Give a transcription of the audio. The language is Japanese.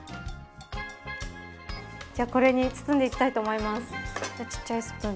じゃあ、これに包んでいきたいと思います。